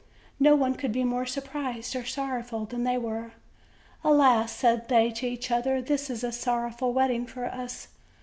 No one could be more surprised or sorrowful than they were. "Alas!" said they to each other, "this is a sorrowful wedding for us!